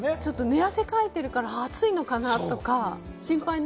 寝汗かいているから暑いのかなって。